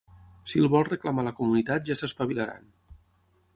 Si el vol reclamar la comunitat ja s'espavilaran.